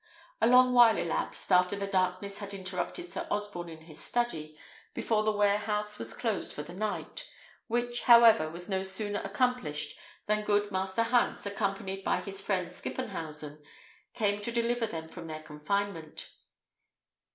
A long while elapsed, after the darkness had interrupted Sir Osborne in his study, before the warehouse was closed for the night; which, however, was no sooner accomplished than good Master Hans, accompanied by his friend Skippenhausen, came to deliver them from their confinement.